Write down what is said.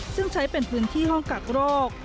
ซึ่งใช้เป็นพื้นที่ห้องกักโรค